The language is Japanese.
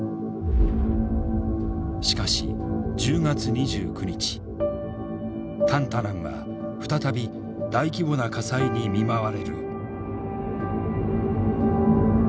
しかし１０月２９日タンタランは再び大規模な火災に見舞われる。